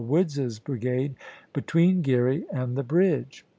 Woods's brigade between Geary and the bridge.